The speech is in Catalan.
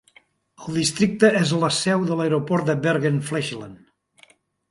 El districte és la seu de l'aeroport de Bergen-Flesland.